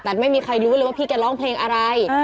แต่ไม่มีใครรู้เลยว่าพี่แกร้องเพลงอะไร